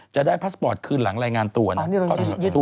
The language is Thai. พาสปอร์ตคืนหลังรายงานตัวนะ